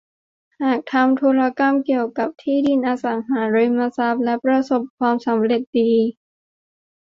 หากกำลังทำธุรกรรมเกี่ยวกับที่ดิน อสังหาริมทรัพย์ จะประสบความสำเร็จดี